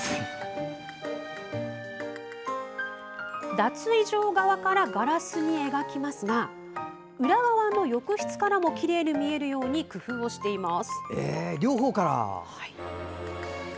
脱衣場側からガラスに描きますが裏側の浴室からもきれいに見えるように工夫をしています。